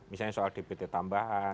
misalnya soal dpt tambahan